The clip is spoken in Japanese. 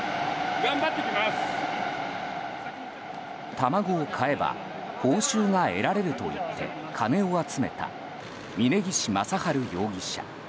卵を買えば報酬が得られると言って金を集めた峯岸正治容疑者。